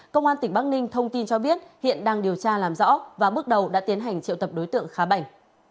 công an tỉnh bắc ninh thông tin cho biết hiện đang điều tra làm rõ và bước đầu đã tiến hành triệu tập đối tượng khá bảnh